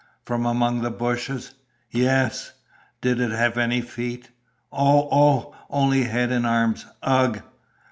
"From among the bushes?" "Ye us." "Did it have any feet?" "Oh oh! Only head and arms ugh!"